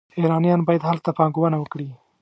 ایرانیان باید هلته پانګونه وکړي.